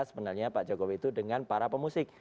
sebenarnya pak jokowi itu dengan para pemusik